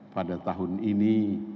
pada tahun ini